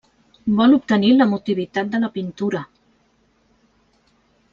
Vol obtenir l'emotivitat de la pintura.